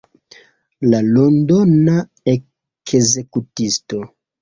La Londona ekzekutisto.